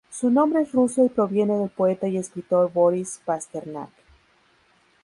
Su nombre es ruso y proviene del poeta y escritor Boris Pasternak.